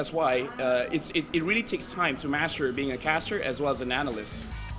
itu sebabnya itu benar benar membutuhkan waktu untuk memastikan menjadi caster dan analis